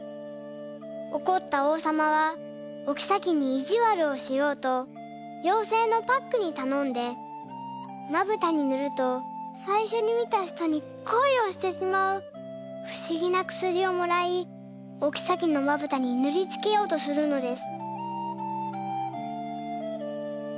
おこったおうさまはおきさきにいじわるをしようとようせいのパックにたのんで「まぶたにぬるとさいしょに見た人に恋をしてしまうふしぎなくすり」をもらいおきさきのまぶたにぬりつけようとするのです。